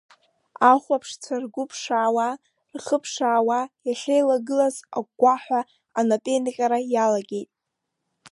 Ахәаԥшцәа ргәы ԥшаауа, рхы ԥшаауа иахьеилагылаз агәгәаҳәа анапеинҟьара иалагеит.